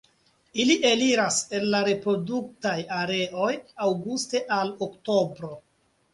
Ili eliras el la reproduktaj areoj aŭguste al oktobro.